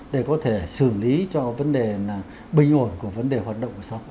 để có thể xử lý cho vấn đề bình ổn của vấn đề hoạt động của xã hội